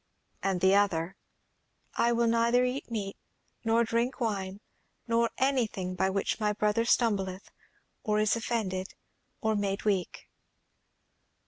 And the other 'I will neither eat meat, nor drink wine, nor anything, by which my brother stumbleth, or is offended, or made weak.'"